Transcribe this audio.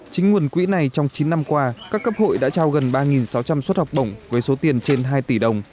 chính nguồn quỹ này trong chín năm qua các cấp hội đã trao gần ba sáu trăm linh suất học bổng với số tiền trên hai tỷ đồng